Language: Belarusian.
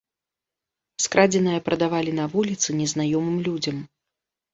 Скрадзенае прадавалі на вуліцы незнаёмым людзям.